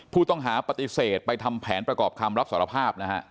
ผู้ต้องหาปฏิเสธไปทำแผนประกอบคำรับสารภาพนะฮะ